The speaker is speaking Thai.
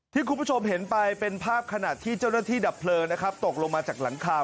คุณผู้ชมเห็นไปเป็นภาพขณะที่เจ้าหน้าที่ดับเพลิงนะครับตกลงมาจากหลังคา